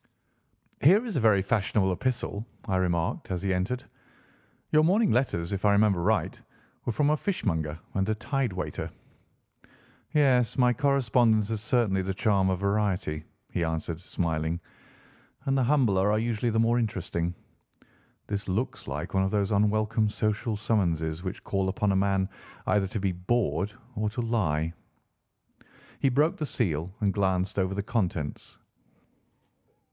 "Here is a very fashionable epistle," I remarked as he entered. "Your morning letters, if I remember right, were from a fish monger and a tide waiter." "Yes, my correspondence has certainly the charm of variety," he answered, smiling, "and the humbler are usually the more interesting. This looks like one of those unwelcome social summonses which call upon a man either to be bored or to lie." He broke the seal and glanced over the contents.